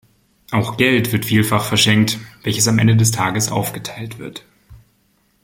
Auch Geld wird vielfach verschenkt, welches am Ende des Tages aufgeteilt wird.